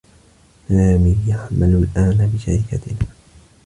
سامي يعمل الآن بشركتنا.